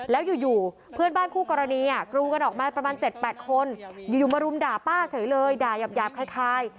แล้วอยู่เพื่อนบ้านคู่กรณีกรูกันออกมาประมาณ๗๘คนอยู่มารุมด่าป้าเฉยเลยด่ายาบคล้าย